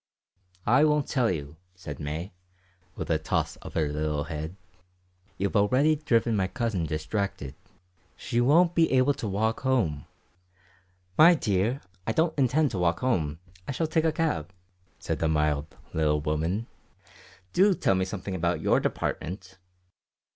"I won't tell you," said May, with a toss of her little head. "You have already driven my cousin distracted. She won't be able to walk home." "My dear, I don't intend to walk home; I shall take a cab," said the mild little woman. "Do tell me something about your department."